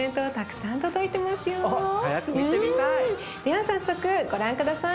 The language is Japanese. では早速ご覧下さい。